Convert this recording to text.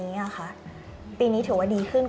ปีนี้ถือว่าดีขึ้นกว่าปีที่เรา